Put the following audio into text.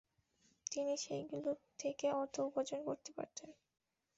তিনি সেগুলো থেকে অর্থ উপার্জন করতে পারতেন।